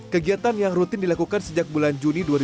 kegiatan yang rutin dilakukan sejak bulan juni dua ribu dua puluh